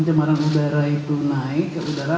cemaran udara itu naik ke udara